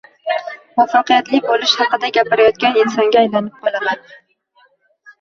muvaffaqiyatli bo’lish haqida gapirayotgan insonga aylanib qolaman